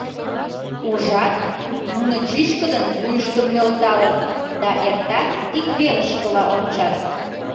— Ужат, нуно чӱчкыдын вуйыштым нӧлталыт да эртак ик велышкыла ончат.